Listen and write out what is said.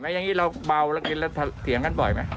ไม่ค่อยบ่อยแล้วครับ